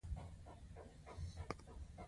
بوتل د بڼوالو سره د کار په وخت کې مرسته کوي.